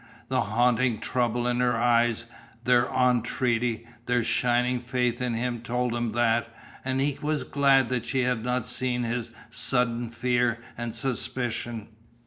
The haunting trouble in her eyes, their entreaty, their shining faith in him told him that, and he was glad that she had not seen his sudden fear and suspicion.